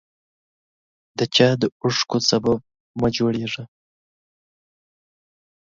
د چا د اوښکو سبب مه جوړیږه